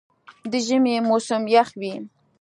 د ژمي موسم یخ وي.